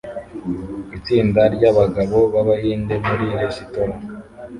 Itsinda ry'abagabo b'Abahinde muri resitora